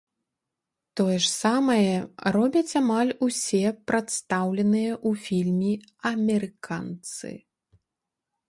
Тое ж самае робяць амаль усе прадстаўленыя ў фільме амерыканцы.